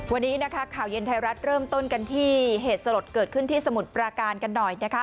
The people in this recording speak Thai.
วันนี้นะคะข่าวเย็นไทยรัฐเริ่มต้นกันที่เหตุสลดเกิดขึ้นที่สมุทรปราการกันหน่อยนะคะ